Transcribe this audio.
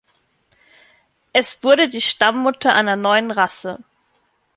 Es wurde die Stammmutter einer neuen Rasse.